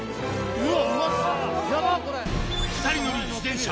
うわ